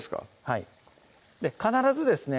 はい必ずですね